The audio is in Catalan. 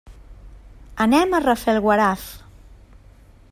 Anem a Rafelguaraf.